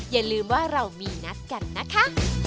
อย่าลืมว่าเรามีนัดกันนะคะ